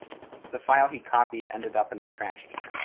The file he copied ended up in the trash can.